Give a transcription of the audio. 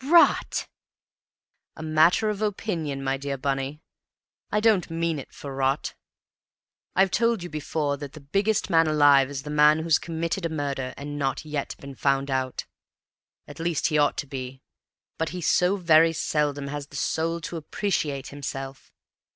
"Rot!" "A matter of opinion, my dear Bunny; I don't mean it for rot. I've told you before that the biggest man alive is the man who's committed a murder, and not yet been found out; at least he ought to be, but he so very seldom has the soul to appreciate himself.